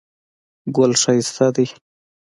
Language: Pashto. ګل ښایسته دی